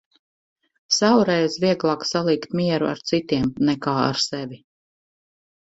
Savreiz, vieglāk salīgt mieru ar citiem, nekā ar sevi.